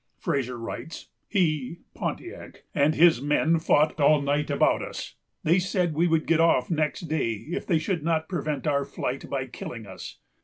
Fraser writes, "He (Pontiac) and his men fought all night about us. They said we would get off next day if they should not prevent our flight by killing us.